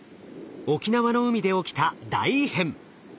沖縄の海で起きた大異変。